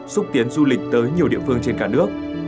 xúc tiến du lịch tới nhiều địa phương trên cả nước